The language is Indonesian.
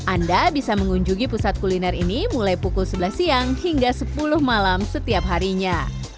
anda bisa mengunjungi pusat kuliner ini mulai pukul sebelas siang hingga sepuluh malam setiap harinya